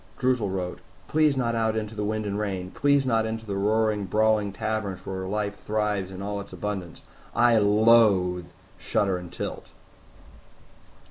Droozle wrote, "Please not out into the wind and the rain. Please not into the roaring, brawling taverns where life thrives in all its abundance. I loathe shudder and tilt."